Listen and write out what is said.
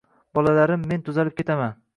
“Bolalarim, men tuzalib ketaman